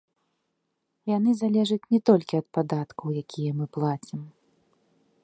Яны залежаць не толькі ад падаткаў, якія мы плацім.